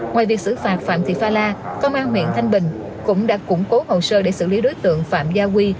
ngoài việc xử phạt phạm thị pha la công an huyện thanh bình cũng đã củng cố hồ sơ để xử lý đối tượng phạm gia quy